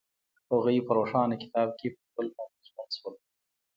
هغوی په روښانه کتاب کې پر بل باندې ژمن شول.